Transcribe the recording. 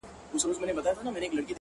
خو دې زما د مرگ د اوازې پر بنسټ _